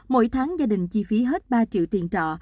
mỗi tháng gia đình chi phí hết ba triệu tiền trọ